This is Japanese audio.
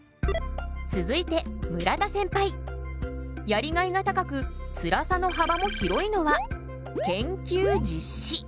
やりがいが高くつらさの幅も広いのは研究実施。